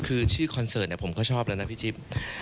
คือชื่อคอนเสิร์ตผมก็ชอบแล้วนะพี่จิ๊บ